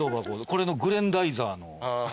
これの『グレンダイザー』の。